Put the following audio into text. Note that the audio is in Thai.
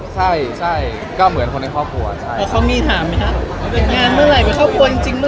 เป็นงานเมื่อไหร่เป็นครอบครัวจริงเมื่อไหร่